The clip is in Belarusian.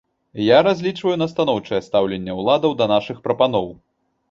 Я разлічваю на станоўчае стаўленне ўладаў да нашых прапаноў.